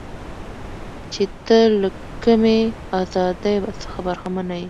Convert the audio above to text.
چې ته له کمې ازادۍ څخه برخمنه یې.